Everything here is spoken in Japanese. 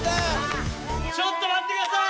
ちょっとまってください！